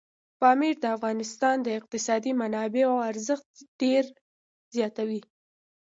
پامیر د افغانستان د اقتصادي منابعو ارزښت ډېر زیاتوي.